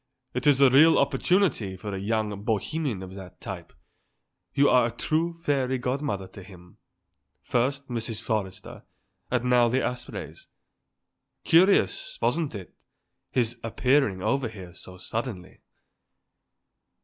"It is a real opportunity for a young bohemian of that type; you are a true fairy godmother to him; first Mrs. Forrester and now the Aspreys. Curious, wasn't it, his appearing over here so suddenly?"